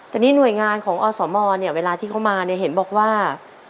แต่นี่หน่วยงานของอสมเนี่ยเวลาที่เขามาเนี่ยเห็นบอกว่า